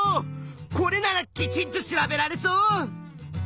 これならきちんと調べられそう！